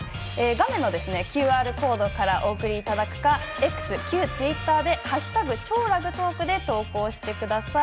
画面のＱＲコードからお送りいただくかＸ、旧ツイッターで「＃超ラグトーク」で投稿してください。